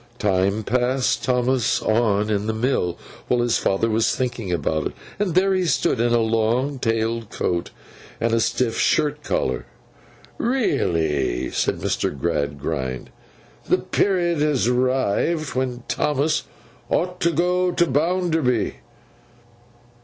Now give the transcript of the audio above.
Time passed Thomas on in the mill, while his father was thinking about it, and there he stood in a long tailed coat and a stiff shirt collar. 'Really,' said Mr. Gradgrind, 'the period has arrived when Thomas ought to go to Bounderby.